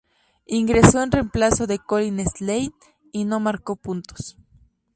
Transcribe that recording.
Ingresó en reemplazo de Colin Slade y no marcó puntos.